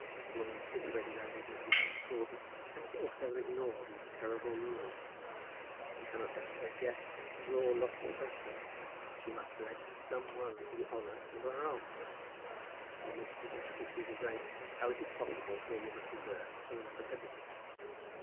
A woman situated as was Mrs. Dobbs Broughton cannot altogether ignore these terrible rules. She cannot let her guests draw lots for precedence. She must select some one for the honour of her own arm. And amidst the intricacies of rank how is it possible for a woman to learn and to remember everything?